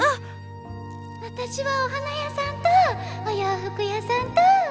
私はお花屋さんとお洋服屋さんと。